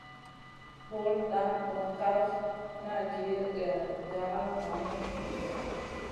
Bur NDA ndo kaf nan min gue gara vu nanu.